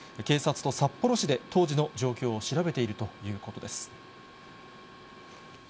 警察と札幌市で、当時の状況を調べているということです。